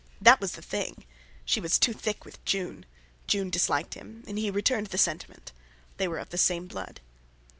That was the thing! She was too thick with June! June disliked him. He returned the sentiment. They were of the same blood.